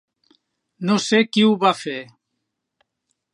No sé qui ho va fer.